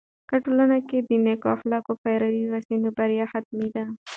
که ښوونې کې د نیکو اخلاقو پیروي وسي، نو بریا حتمي ده.